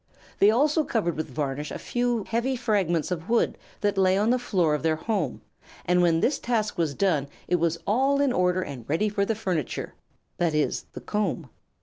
They also covered with varnish a few heavy fragments of wood that lay on the floor of their home, and when this task was done it was all in order and ready for the furniture, that is, the comb.